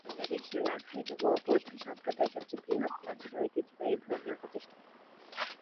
এটি বাংলাদেশের রাখাইন ও বৌদ্ধ সম্প্রদায়ের সবচেয়ে বৃহৎ, প্রাচীন এবং ঐতিহ্যবাহী ধর্মীয় প্রতিষ্ঠান।